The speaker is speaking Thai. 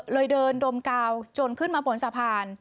เลยเดินดมกาวจนขึ้นมาบนสะพาน